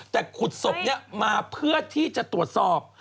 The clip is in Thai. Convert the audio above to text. แต่ขุดศพนี้มาเพื่อที่จะตรวจสอบ